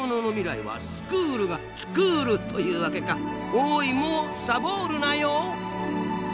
おいもう「サボール」なよ！